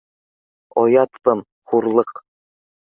Оят пым, хурлыҡ